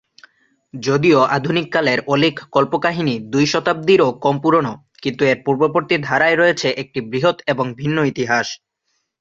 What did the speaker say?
যদিও আধুনিককালের অলীক কল্পকাহিনী দুই শতাব্দীরও কম পুরনো, কিন্তু এর পূর্ববর্তী ধারার রয়েছে একটি বৃহৎ এবং ভিন্ন ইতিহাস।